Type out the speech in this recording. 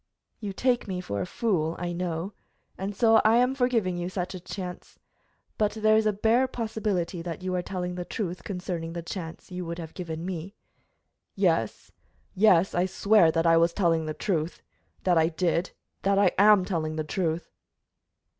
"You take me for a fool, I know, and so I am for giving you such a chance; but there is the bare possibility that you are telling the truth concerning the chance you would have given me." "Yes, yes, I swear that I was telling the truth that I did that I am telling the truth!"